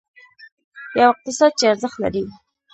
یو اقتصاد چې ارزښت لري.